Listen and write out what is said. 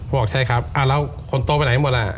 บอกใช่ครับแล้วคนโตไปไหนหมดล่ะ